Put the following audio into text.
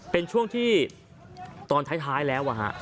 เป็นช่วงที่ตอนท้ายแล้ว